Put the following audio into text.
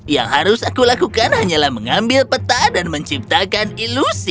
yang harus aku lakukan hanyalah mengambil peta dan menciptakan ilusi